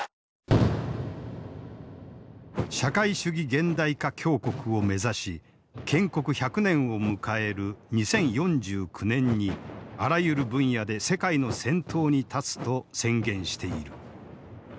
「社会主義現代化強国」を目指し建国１００年を迎える２０４９年にあらゆる分野で世界の先頭に立つと宣言している。